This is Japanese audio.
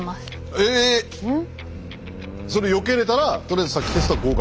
えっそれよけれたらとりあえず殺気テストは合格？